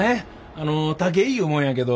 あの竹井いうもんやけど。